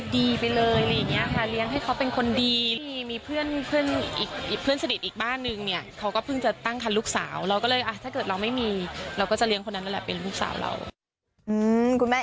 แต่พี่หนุ่มยังไม่ยอมค่ะ